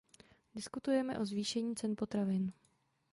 Diskutujeme o zvýšení cen potravin.